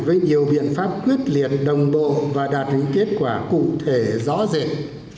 với nhiều biện pháp quyết liệt đồng bộ và đạt những kết quả cụ thể rõ rệt